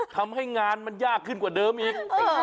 ทำให้งานมันยากขึ้นกว่าเดิมอีก